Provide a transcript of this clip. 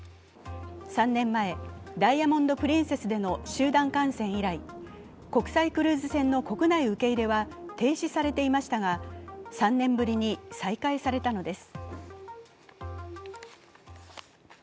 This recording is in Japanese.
３年前、「ダイヤモンド・プリンセス」での集団感染以来国際クルーズ船の国内受け入れは停止されていましたが３年ぶりに再開されたのです。